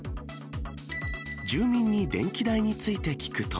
住民に電気代について聞くと。